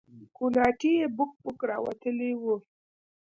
کوناټي يې بوک بوک راوتلي وو.